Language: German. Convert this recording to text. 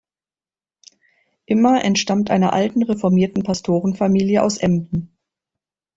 Immer entstammt einer alten reformierten Pastorenfamilie aus Emden.